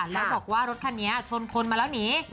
แล้วบอกว่ารถคันนี้ชนคนมาแล้วหนี